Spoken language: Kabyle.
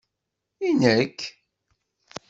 I nekk?